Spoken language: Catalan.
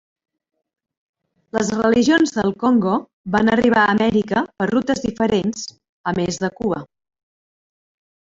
Les religions del Congo van arribar a Amèrica per rutes diferents a més de Cuba.